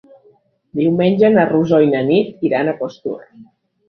Diumenge na Rosó i na Nit iran a Costur.